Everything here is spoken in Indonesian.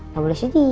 gak boleh sedih